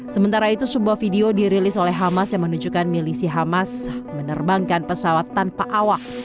sementara itu sebuah video dirilis oleh hamas yang menunjukkan milisi hamas menerbangkan pesawat tanpa awak